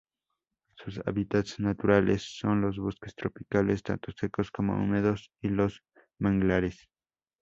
Sus hábitats naturales son los bosques tropicales tanto secos como húmedos y los manglares.